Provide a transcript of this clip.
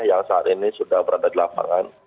yang saat ini sudah berada di lapangan